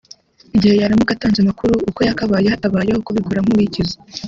igihe yaramuka atanze amakuru uko yakabaye hatabayeho kubikora nk’uwikiza